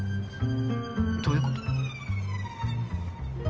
どういうこと？